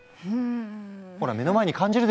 ほら目の前に感じるでしょう？